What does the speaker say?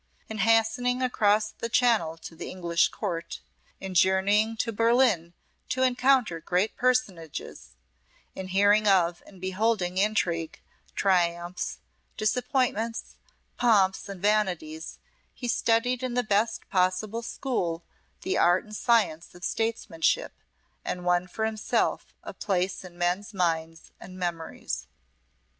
In hastening across the Channel to the English Court, in journeying to Berlin to encounter great personages, in hearing of and beholding intrigue, triumphs, disappointments, pomps, and vanities, he studied in the best possible school the art and science of statesmanship, and won for himself a place in men's minds and memories.